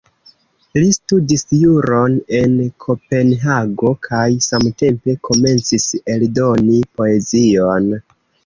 Li studis juron en Kopenhago, kaj samtempe komencis eldoni poezion.